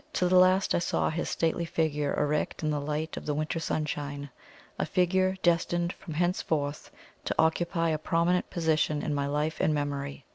To the last I saw his stately figure erect in the light of the winter sunshine a figure destined from henceforth to occupy a prominent position in my life and memory.